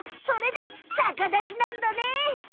それで逆立ちなんだね。